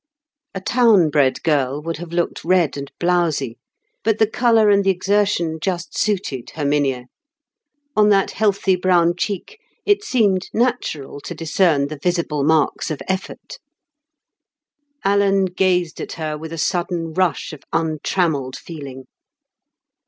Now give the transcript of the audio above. A town bred girl would have looked red and blowsy; but the colour and the exertion just suited Herminia. On that healthy brown cheek it seemed natural to discern the visible marks of effort. Alan gazed at her with a sudden rush of untrammelled feeling.